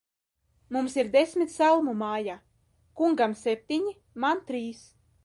Mums ir desmit salmu mājā; kungam septiņi, man trīs.